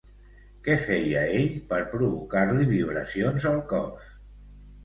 Què feia ell per provocar-li vibracions al cos?